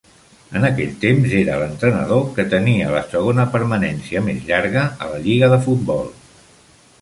En aquell temps era l'entrenador que tenia la segona permanència més llarga a la Lliga de Futbol.